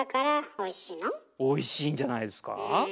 おいしいんじゃないですか。